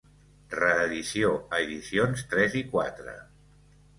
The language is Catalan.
Reedició a Edicions Tres i Quatre.